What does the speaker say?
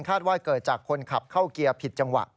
ว่าเกิดจากคนขับเข้าเกียร์ผิดจังหวะ